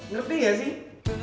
ngerti gak sih